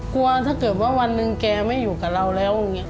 กลัวถ้าเกิดว่าวันหนึ่งแกไม่อยู่กับเราแล้วอย่างนี้